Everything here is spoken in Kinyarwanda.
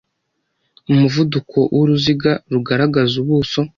Umuvuduko wuruziga rugaragaza ubuso